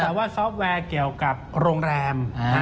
แต่ว่าซอฟต์แวร์เกี่ยวกับโรงแรม